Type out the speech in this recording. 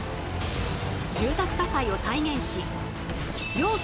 住宅火災を再現し要